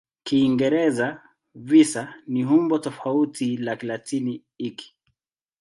Kiingereza "visa" ni umbo tofauti la Kilatini hiki.